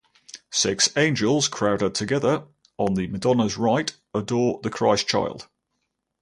Six angels crowded together on the Madonna's right, adore the Christ-child.